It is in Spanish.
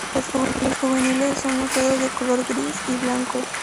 Los juveniles son moteadas de color gris y blanco.